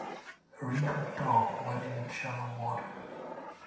A wrinkled dog wading in shallow water.